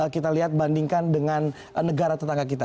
kita lihat bandingkan dengan negara tetangga kita